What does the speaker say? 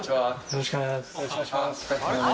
よろしくお願いします。